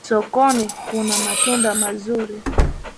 Sokoni kuna matunda mazuri